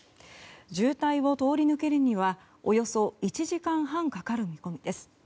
渋滞を通り抜けるにはおよそ１時間半かかる見込みです。